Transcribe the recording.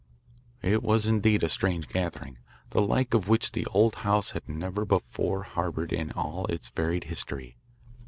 It was indeed a strange gathering, the like of which the old house had never before harboured in all its varied history.